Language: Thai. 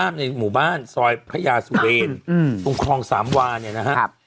ในหมู่บ้านซอยพระยาสุเรนตรงคลองสามวาเนี่ยนะครับ